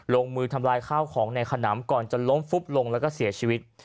ลงมือทำลายข้าวของในขนำก่อนจะล้มฟุบลงแล้วก็เสียชีวิต